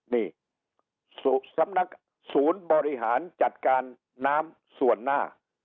นี่สำนักศูนย์บริหารจัดการน้ำส่วนหน้า